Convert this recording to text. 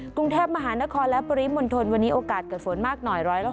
กรุงเทพมหานครและปริมณฑลวันนี้โอกาสเกิดฝนมากหน่อย